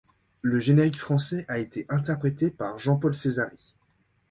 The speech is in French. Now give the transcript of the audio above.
Le générique français a été interprété par Jean-Paul Césari.